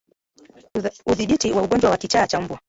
Udhibiti wa ugonjwa wa kichaa cha mbwa